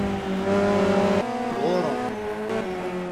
Ɣuṛ-m!